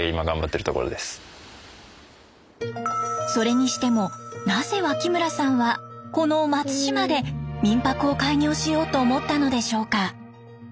それにしてもなぜ脇村さんはこの松島で民泊を開業しようと思ったのでしょうか。